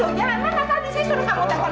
masa tadi saya suruh kamu telfon gue amin